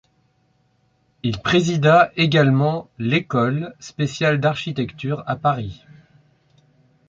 Il présida également l'École spéciale d'architecture à Paris.